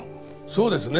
そうですね。